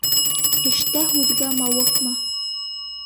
Эштә һүҙғә мауыҡма.